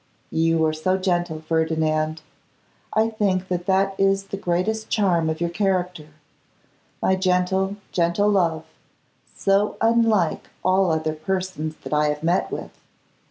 You are so gentle, Ferdinand! I think that is the greatest charm of your character. My gentle, gentle love! so unlike all other persons that I have met with!